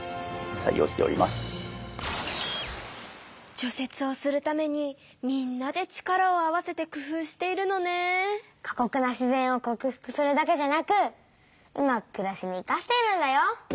除雪をするためにみんなで力を合わせて工夫しているのね。かこくな自然をこく服するだけじゃなくうまくくらしにいかしているんだよ。